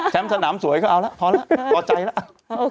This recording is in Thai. สนามสวยก็เอาแล้วพอแล้วพอใจแล้ว